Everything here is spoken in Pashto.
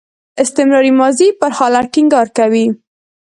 استمراري ماضي پر حالت ټینګار کوي.